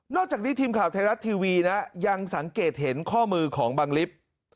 จากนี้ทีมข่าวไทยรัฐทีวีนะยังสังเกตเห็นข้อมือของบังลิฟต์